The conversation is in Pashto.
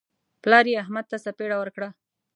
پلار یې احمد ته څپېړه ورکړه.